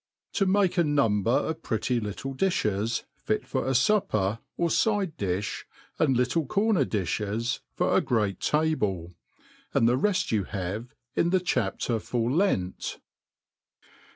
To make a Number of pretty little Diflies, •ftt for a*Supper, or Side did}, and little Corner difhes, for a jgreat Table i andjhe reft you have in the Chapter for Lent.